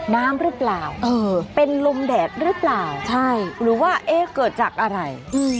น้ำหรือเปล่าเป็นลมแดดหรือเปล่าหรือว่าเกิดจากอะไร